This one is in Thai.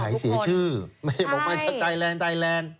อยากให้เสียชื่อไม่ได้บอกมาไทแลนด์ไทแลนด์